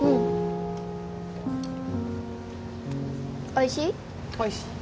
おいしい？